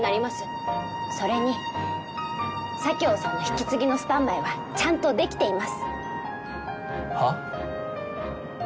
それに佐京さんの引き継ぎのスタンバイはちゃんとできていますはあ？